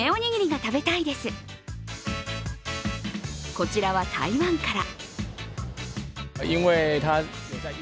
こちらは台湾から。